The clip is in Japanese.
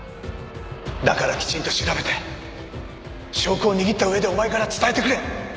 だからきちんと調べて証拠を握った上でお前から伝えてくれ。